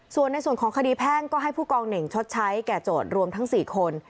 ส่วนในส่วนของคดีแพ่งก็ให้ผู้กองเหน่งชดใช้แก่โจทย์รวมทั้ง๔คน